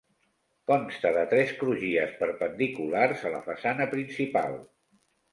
Consta de tres crugies perpendiculars a la façana principal.